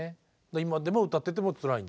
今でも歌っててもつらいんだ。